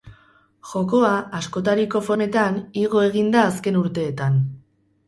Jokoa, askotariko formetan, igo egin da azken urteetan.